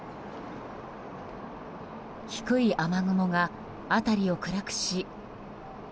低い雨雲が辺りを暗くし。